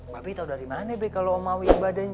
tapi tau dari mana be kalo om awi ibadahnya